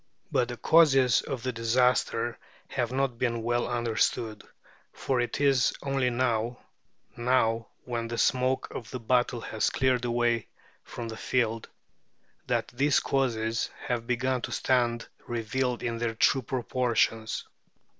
But the causes of the disaster have not been well understood, for it is only now now, when the smoke of the battle has cleared away from the field that these causes have begun to stand revealed in their true proportions.